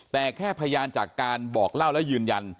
แต่แค่พยานจากการบอกเล่าและยืนยัน